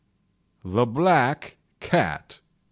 THE BLACK CAT.